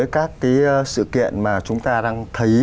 các cái sự kiện mà chúng ta đang thấy